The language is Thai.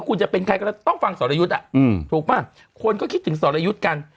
คุณจะเป็นใครก็ต้องฟังสอรยุทธ์ถูกป่ะคนก็คิดถึงสอรยุทธ์กัน